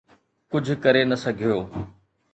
ڪجهه ڪري نه سگهيو.